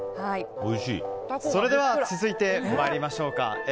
それでは続いて参りましょう。